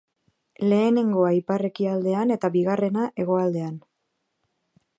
Lehenengoa ipar-ekialdean eta bigarrena hegoaldean.